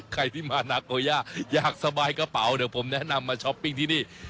ใครที่มานักโกย่าอยากสบายกระเป๋าเดี๋ยวผมแนะนำมาช้อปปิ้งที่นี่